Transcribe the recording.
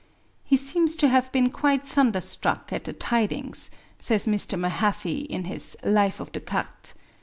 "He seems to have been quite thunderstruck at the tidings," says Mr. Mahaffy, in his Life of Descartes.